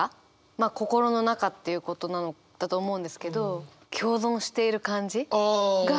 まあ心の中っていうことなんだと思うんですけど共存している感じが